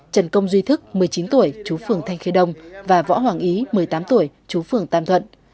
trần công duy thức một mươi chín tuổi chú phường thanh khê đông và võ hoàng ý một mươi tám tuổi chú phường tam thuận